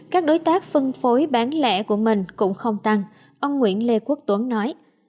các đối tác phân phối bán lẻ của mình cũng không tăng ông nguyễn lê quốc tuấn nói